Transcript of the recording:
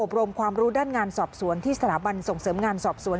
รวมความรู้ด้านงานสอบสวนที่สถาบันส่งเสริมงานสอบสวน